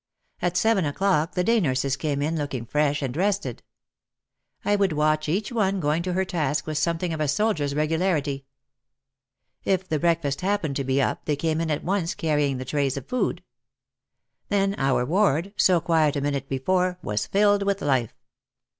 At seven o'clock the day nurses came in looking fresh and rested. I would watch each one going to her task with something of a soldier's regularity. If the break fast happened to be up they came in at once carrying the trays of food. Then our ward, so quiet a minute be fore, was filled with life.